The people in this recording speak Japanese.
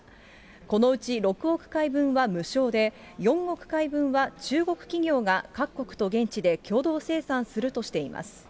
このうち６億回分は無償で、４億回分は中国企業が各国と現地で共同生産するとしています。